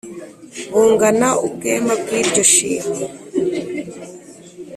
bungana ubwema bw'iryo shimo.